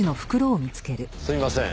すいません。